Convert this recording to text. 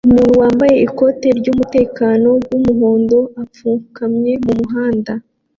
Umuntu wambaye ikoti ryumutekano wumuhondo apfukamye mumuhanda